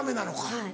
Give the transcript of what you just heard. はい。